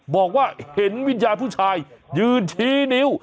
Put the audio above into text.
บอกว่าเห็นวิญญาณผู้ชายยืนชี้นิ้ว